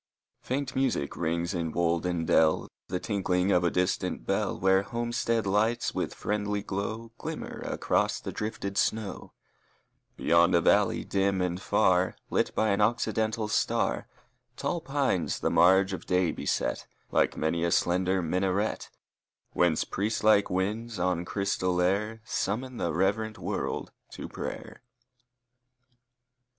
80 ni Faint music rings in wold and dell, The tinkling of a distant bell, Where homestead lights with friendly glow Glimmer across the drifted snow ; Beyond a valley dim and far Lit by an occidental star, Tall pines the marge of day beset Like many a slender minaret, Whence priest like winds on crystal air Summon the reverent world to prayer.